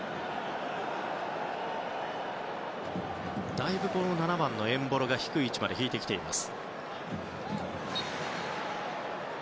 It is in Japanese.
だいぶ７番のエンボロが低い位置まで引いています。